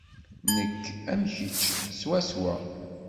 Nekk am kečč swaswa.